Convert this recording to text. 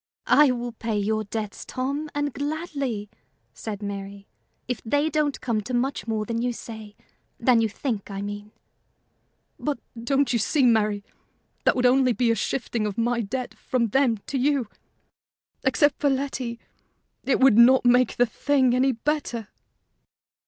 "I will pay your debts, Tom, and gladly," said Mary, "if they don't come to much more than you say than you think, I mean." "But, don't you see, Mary, that would be only a shifting of my debt from them to you? Except for Letty, it would not make the thing any better."